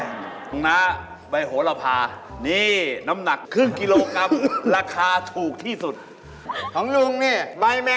ของลุงนี่ใบแมงลักษณ์ลูกรู้จักไหม